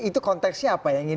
itu konteksnya apa yang ingin